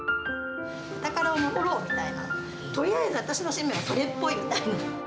ブタカラを守ろうみたいな、とりあえず私の使命はそれっぽいみたいな。